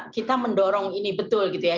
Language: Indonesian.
kita mendorong ini betul gitu ya